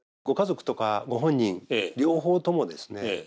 ご家族とかご本人両方ともですね